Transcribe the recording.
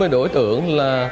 năm mươi đối tượng